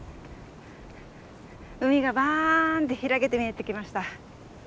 海がバーンって開けて見えてきました。